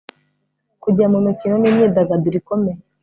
kujya mu mikino n imyidagaduro ikomeye